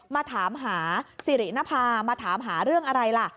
มาถามหาสิรินภามาถามหาเรื่องอะไรล่ะ